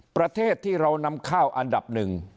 ประเทศที่เรานำข้าวอันดับหนึ่ง